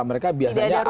mereka biasanya ada